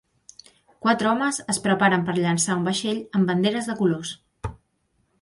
Quatre homes es preparen per llançar un vaixell amb banderes de colors.